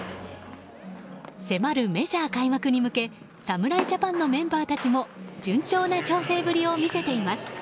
迫るメジャー開幕に向け侍ジャパンのメンバーたちも順調な調整ぶりを見せています。